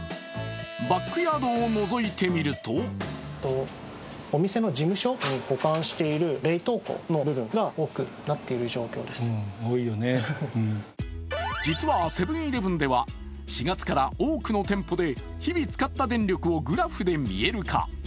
バックヤードをのぞいてみると実はセブン−イレブンでは、４月から多くの店舗で日々使った電力をグラフで見える化。